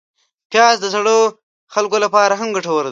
پیاز د زړو خلکو لپاره هم ګټور دی